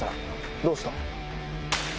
どうした？